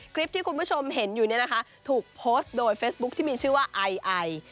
คลิปที่คุณผู้ชมเห็นอยู่เนี่ยนะคะถูกโพสต์โดยเฟซบุ๊คที่มีชื่อว่าไอไอ